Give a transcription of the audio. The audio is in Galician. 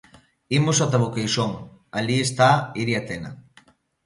Imos ata Boqueixón, alí esta Iria Tena.